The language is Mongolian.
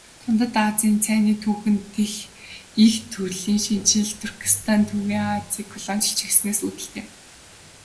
Дундад Азийн цайны түүхэн дэх их өөрчлөн шинэчлэлт Туркестан Төв Азийг колоничилж эхэлснээс үүдэлтэй.